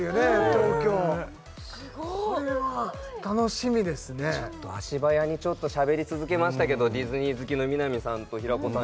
東京すごっこれは楽しみですねちょっと足早にちょっと喋り続けましたけどディズニー好きの南さんと平子さん